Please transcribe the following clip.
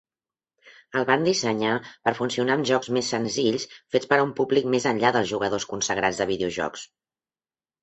El van dissenyar per funcionar amb jocs més senzills fets per a un públic més enllà dels "jugadors consagrats de videojocs".